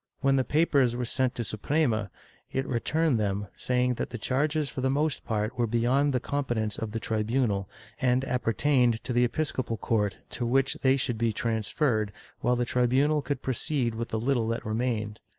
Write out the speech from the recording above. When the papers were sent to the Suprema, it returned them, saying that the charges for the most part were beyond the competence of the tribunal, and appertained to the episcopal court, to which they should be transferred, while the tribunal could proceed with the little that remained.